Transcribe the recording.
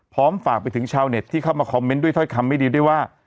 ฝากไปถึงชาวเน็ตที่เข้ามาคอมเมนต์ด้วยถ้อยคำไม่ดีด้วยว่า